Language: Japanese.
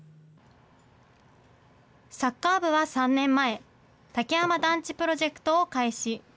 サッカー部は３年前、竹山団地プロジェクトを開始。